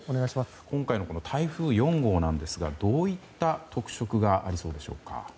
今回の台風４号なんですがどういった特色があるでしょうか。